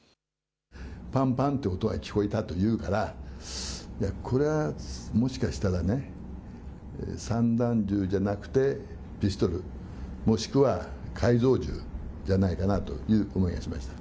パンパンという音が聞こえたというからこれはもしかしたら散弾銃じゃなくてピストル、もしくは改造銃ではないかなという思いがしました。